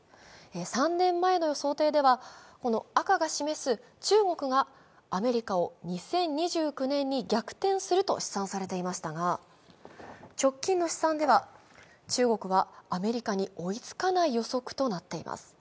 ３年前の想定では、赤が示す中国がアメリカを２０２９年に逆転すると試算されていましたが、直近の試算では中国はアメリカに追いつかない予測となっています。